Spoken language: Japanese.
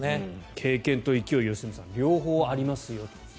経験と勢い両方ありますよと。